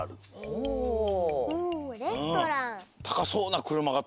おレストラン。